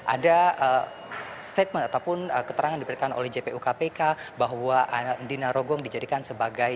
ada statement ataupun keterangan diberikan oleh jpu kpk bahwa andina rogong dijadikan sebagai